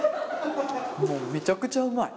めちゃくちゃうまい。